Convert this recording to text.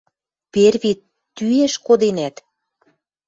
Перви тӱэш коденӓт?